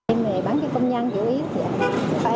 em bán cái công nhân dữ yếu